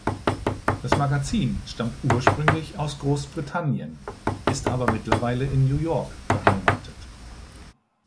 Das Magazin stammt ursprünglich aus Großbritannien, ist aber mittlerweile in New York beheimatet.